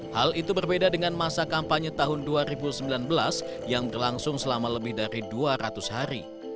hal itu berbeda dengan masa kampanye tahun dua ribu sembilan belas yang berlangsung selama lebih dari dua ratus hari